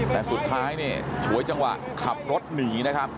แต่สุดท้ายเนี่ยฉวยจังหวะขับรถหนีนะครับ